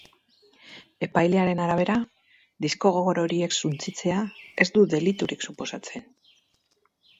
Epailearen arabera, disko gogor horiek suntsitzea ez du deliturik suposatzen.